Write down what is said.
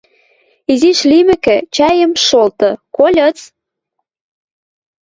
Изиш лимӹкӹ, чӓйӹм шолты, кольыц?